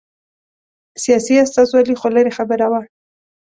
سیاسي استازولي خو لرې خبره وه.